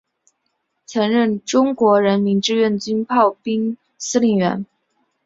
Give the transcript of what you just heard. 曾任中国人民志愿军炮兵司令员。